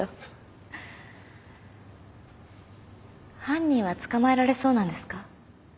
犯人は捕まえられそうなんですか？